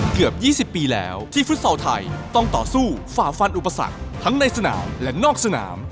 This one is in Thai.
เกือบ๒๐ปีแล้วที่ฟุตซอลไทยต้องต่อสู้ฝ่าฟันอุปสรรคทั้งในสนามและนอกสนาม